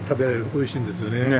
美味しいんですよね。